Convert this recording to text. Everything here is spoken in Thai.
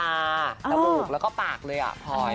แต่พูดเป็นลูกแล้วก็ปากเลยอ่ะพล้อย